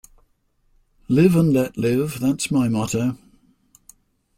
Live and let live, that's my motto.